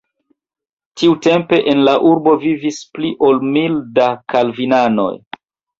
Tiutempe en la urbo vivis pli ol mil da kalvinanoj.